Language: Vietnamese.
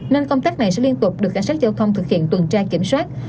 nên công tác này sẽ liên tục được cảnh sát giao thông thực hiện tuần tra kiểm soát